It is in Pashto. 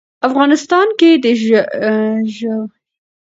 افغانستان کې د ژورې سرچینې لپاره دپرمختیا پوره او ګټور پروګرامونه شته.